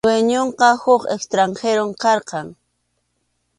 Dueñonqa huk extranjerom karqan.